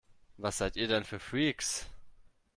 Was seid ihr denn für Freaks?